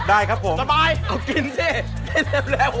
ได้ครับผมเห็นเรื่อยเต็มแล้ว